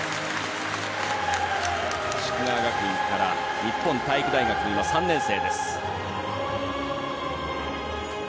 夙川学院から今は日本体育大学の３年生です。